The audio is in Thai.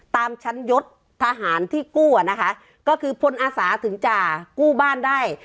ตามชั้นยศทหารที่กู้อ่ะนะคะก็คือพลอาสาถึงจะกู้บ้านได้